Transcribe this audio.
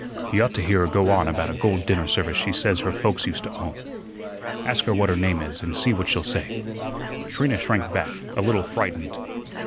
Y'ought to hear her go on about a gold dinner service she says her folks used to own. Ask her what her name is and see what she'll say." Trina shrank back, a little frightened.